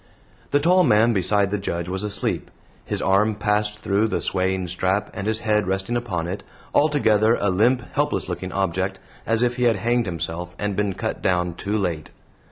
The tall man beside the Judge was asleep, his arm passed through the swaying strap and his head resting upon it altogether a limp, helpless looking object, as if he had hanged himself and been cut down too late.